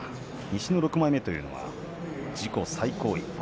西の６枚目というのは自己最高位です。